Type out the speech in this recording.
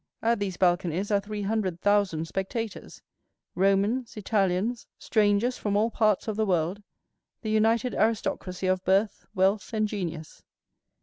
At these balconies are three hundred thousand spectators—Romans, Italians, strangers from all parts of the world, the united aristocracy of birth, wealth, and genius.